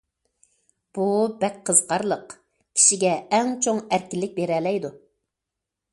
بۇ بەك قىزىقارلىق، كىشىگە ئەڭ چوڭ ئەركىنلىك بېرەلەيدۇ.